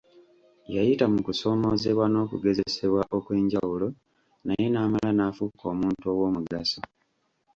Yayita mu kusoomoozebwa n'okugezesebwa okw'enjawulo naye n'amala n'afuuka omuntu ow'omugaso.